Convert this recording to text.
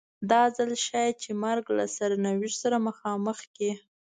دا ځل شاید چې مرګ له سرنوشت سره مخامخ کړي.